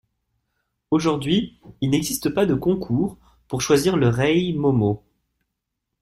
Aujourd'hui, il n'existe pas de concours pour choisir le Rei Momo.